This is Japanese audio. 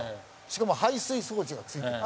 しかも排水装置がついてる。